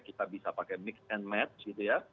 kita bisa pakai mix and match gitu ya